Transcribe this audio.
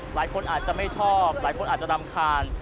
หลายคนอาจจะไม่ชอบหลายคนอาจจะรำคาญ